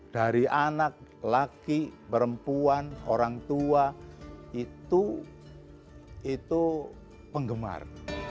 dari anak laki perempuan orang tua itu penggemar